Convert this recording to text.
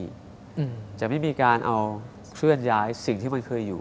อืมจะไม่มีการเอาเคลื่อนย้ายสิ่งที่มันเคยอยู่